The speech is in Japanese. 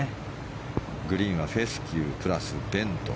グリーンはフェスキュープラスベント。